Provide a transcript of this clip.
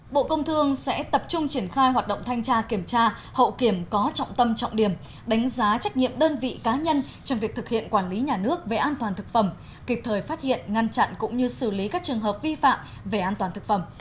bộ công thương sẽ tập trung triển khai hoạt động thanh tra kiểm tra hậu kiểm có trọng tâm trọng điểm đánh giá trách nhiệm đơn vị cá nhân trong việc thực hiện quản lý nhà nước về an toàn thực phẩm kịp thời phát hiện ngăn chặn cũng như xử lý các trường hợp vi phạm về an toàn thực phẩm